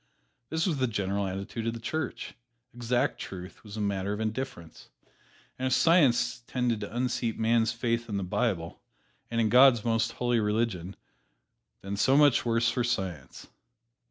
This was the general attitude of the Church exact truth was a matter of indifference. And if Science tended to unseat men's faith in the Bible, and in God's most holy religion, then so much the worse for Science.